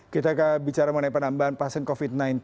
kita bicara mengenai penambahan pasien covid sembilan belas